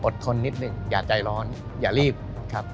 ทนนิดหนึ่งอย่าใจร้อนอย่ารีบครับ